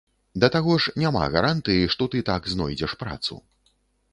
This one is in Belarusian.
Да таго ж, няма гарантыі, што ты так знойдзеш працу.